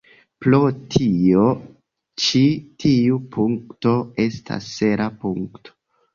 Pro tio, ĉi tiu punkto estas sela punkto.